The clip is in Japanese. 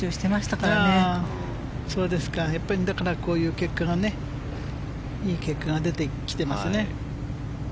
だから、こういう結果がねいい結果が出てきてますね。